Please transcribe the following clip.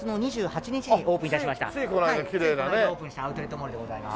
ついこの間オープンしたアウトレットモールでございます。